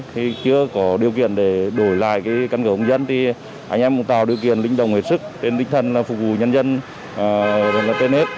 khi chưa có điều kiện để đổi lại căn cầu công dân thì anh em muốn tạo điều kiện linh đồng hết sức tên linh thần phục vụ nhân dân tên hết